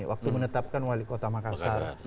waktu menetapkan wali kota makassar